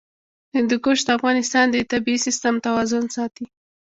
هندوکش د افغانستان د طبعي سیسټم توازن ساتي.